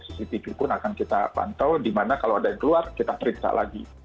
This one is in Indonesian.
cctv pun akan kita pantau di mana kalau ada yang keluar kita periksa lagi